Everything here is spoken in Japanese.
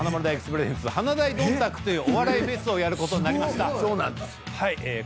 ｐｒｅｓｅｎｔｓ華大どんたくというお笑いフェスをやることになりました。